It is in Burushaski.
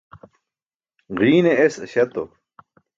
Ġiine es aśatu.